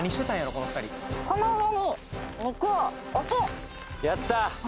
この２人この上に肉を置くやったー